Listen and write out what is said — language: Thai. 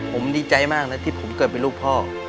ผมดีใจมากนะที่ผมเกิดเป็นลูกพ่อ